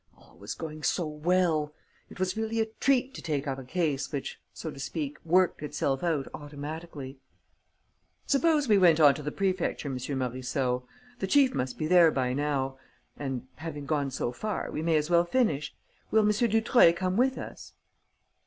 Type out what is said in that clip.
All was going so well! It was really a treat to take up a case which, so to speak, worked itself out automatically. "Suppose we went on to the prefecture, M. Morisseau? The chief must be there by now. And, having gone so far, we may as well finish. Will M. Dutreuil come with us?"